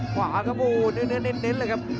ขวากระบูเน็ตเลยครับ